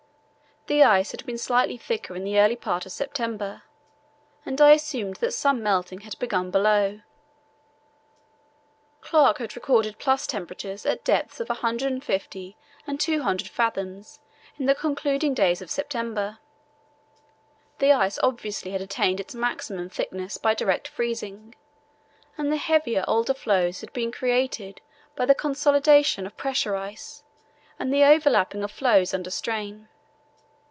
This ice had been slightly thicker in the early part of September, and I assumed that some melting had begun below. Clark had recorded plus temperatures at depths of 150 and 200 fathoms in the concluding days of September. The ice obviously had attained its maximum thickness by direct freezing, and the heavier older floes had been created by the consolidation of pressure ice and the overlapping of floes under strain.